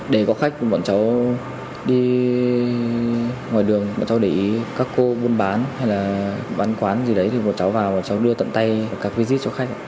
để có khách bọn cháu đi ngoài đường bọn cháu để ý các cô buôn bán hay là bán quán gì đấy thì bọn cháu vào bọn cháu đưa tận tay các vjit cho khách